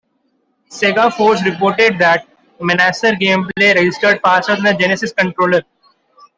"Sega Force" reported that Menacer gameplay registered faster than the Genesis controller.